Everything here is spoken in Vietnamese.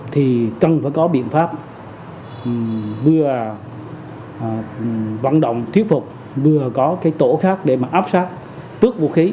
thì cần phải có biện pháp vừa vận động thuyết phục vừa có cái tổ khác để mà áp sát tước vũ khí